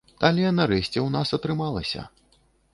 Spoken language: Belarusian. Але нарэшце ў нас атрымалася.